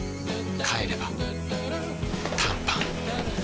帰れば短パン